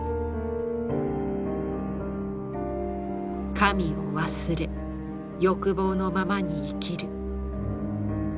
神を忘れ欲望のままに生きる。